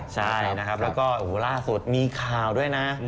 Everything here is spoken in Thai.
ใช่นะครับแล้วก็ล่าสุดมีข่าวด้วยนะ